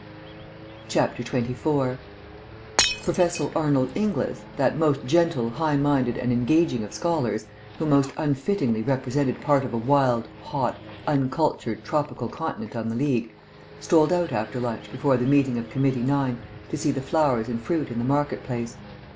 24 Professor Arnold Inglis, that most gentle, high minded and engaging of scholars, who most unfittingly represented part of a wild, hot, uncultured, tropical continent on the League, strolled out after lunch before the meeting of Committee 9 to see the flowers and fruit in the market place.